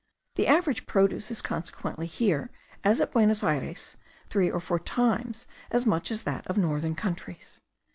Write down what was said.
The average produce is consequently here, as at Buenos Ayres, three or four times as much as that of northern countries.